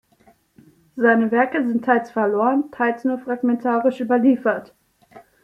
Seine Werke sind teils verloren, teils nur fragmentarisch überliefert.